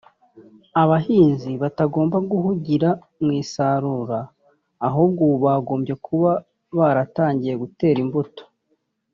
abahinzi batagomba guhugira mu isarura ahubwo ubu bagombye kuba baratangiye gutera imbuto